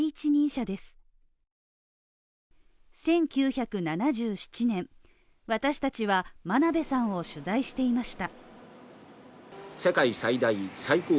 １９７７年、私たちは真鍋さんを取材していました。